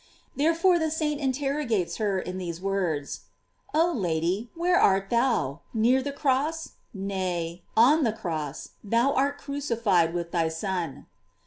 Therefore the saint interrogates her in these words: Oh Lady, where art thou? Near the cross? Nay, on the cross, thou art crucified with thy Son.